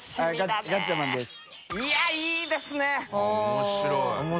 面白い。